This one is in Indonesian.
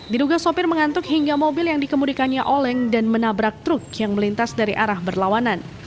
diduga sopir mengantuk hingga mobil yang dikemudikannya oleng dan menabrak truk yang melintas dari arah berlawanan